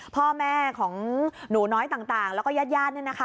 พ่อแม่ของหนูน้อยต่างแล้วก็ญาติเนี่ยนะคะ